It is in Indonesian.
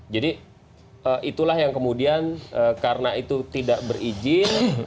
itulah yang kemudian karena itu tidak berizin